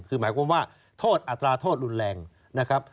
คือหมายความว่าโทษอัตราโทษรุนแรงนะครับ